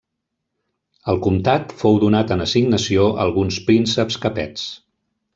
El comtat fou donat en assignació a alguns prínceps capets.